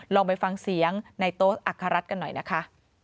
ลองไปฟังเสียงในโต๊สอัครรัฐกันหน่อยนะคะ